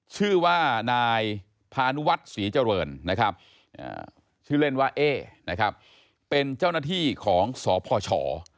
ชื่อว่านายพานุวัฒน์ศรีเจริญนะครับชื่อเล่นว่าเอ๊นะครับเป็นเจ้าหน้าที่ของสพช